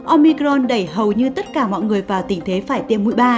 omicron đẩy hầu như tất cả mọi người vào tình thế phải tiêm mũi ba